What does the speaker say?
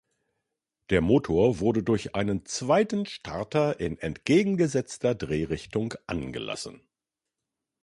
Der Motor wurde durch einen zweiten Starter in entgegengesetzter Drehrichtung angelassen.